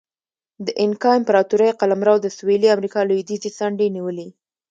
د اینکا امپراتورۍ قلمرو د سویلي امریکا لوېدیځې څنډې نیولې.